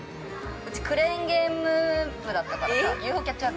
うち、クレーンゲーム部だったからさ。